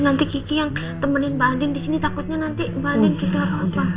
nanti kiki yang temenin mbak andin disini takutnya nanti banding kita apa apa